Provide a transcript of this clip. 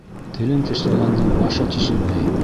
Телен тешләгәндең башы тишелмәй.